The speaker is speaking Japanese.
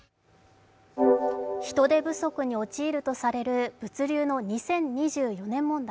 人手不足に陥るとされる物流の２０２４年問題。